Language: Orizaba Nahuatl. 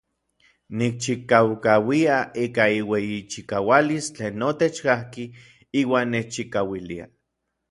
Nikchikaukauia ika iueyichikaualis tlen notech kajki iuan nechchikauilia.